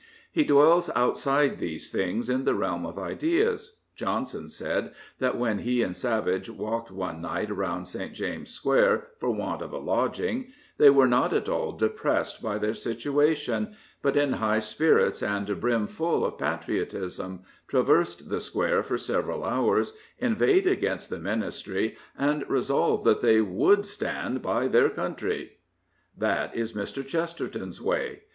He dwells outside these things in the realm of ideas. Johnson said that when he and Savage walked one night round St. James' Square for want of a lodging, they were not at all depressed by their situation, but, in high spirits and brimful of patriotism, traversed the square for several hours, inveighed against the ministry, and resolved that they would stand by their country" That is Mr. Chesterton's way.